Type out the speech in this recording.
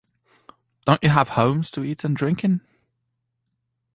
Don't you have homes to eat and drink in?